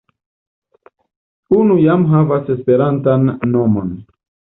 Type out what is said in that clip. Unu jam havas esperantan nomon.